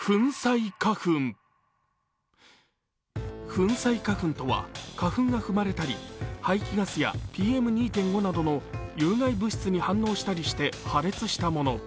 粉砕花粉とは花粉が踏まれたり、排気ガスやＰＭ２．５などの有害物質に反応したりして破裂したもの。